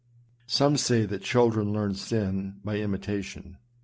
Some say that children learn sin by imitation.